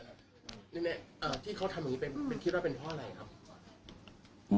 ในนั้นที่เขาทำนี้ไปเป็นภาพอะไร